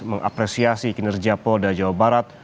mengapresiasi kinerja polda jawa barat